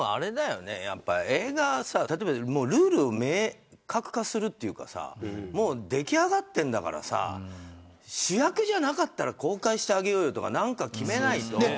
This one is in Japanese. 映画のルールを明確化するというか出来上がっているんだから主役じゃなかったら公開してあげようよとか決めないと。